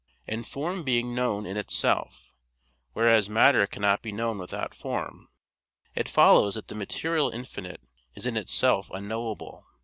And form being known in itself, whereas matter cannot be known without form, it follows that the material infinite is in itself unknowable.